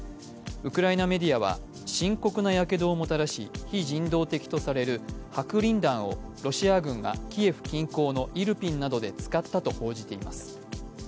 ウクライナメディアは深刻なやけどをもたらし、非人道的とされる白リン弾をロシア軍がキエフ近郊のイルピンなどで使ったと報じています。